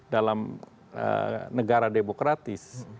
dalam negara demokratis